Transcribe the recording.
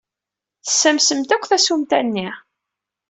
Tessamsemt akk tasumta-nni!